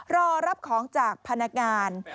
รอรับของจากพนักงาน